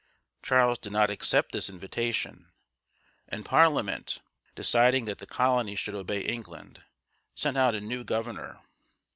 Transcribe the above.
Charles did not accept this invitation, and Parliament, deciding that the colony should obey England, sent out a new governor.